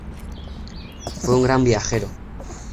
Fue un gran viajero.